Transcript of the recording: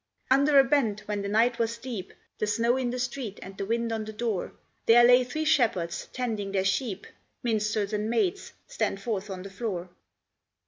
Under a bent when the night was deep, The snow in the street, and the wind on the door, There lay three shepherds, tending their sheep. Minstrels and maids, stand forth on the floor.